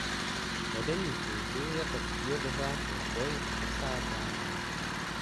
Vedení klubu jako cíl vyhlásilo boj o desáté místo.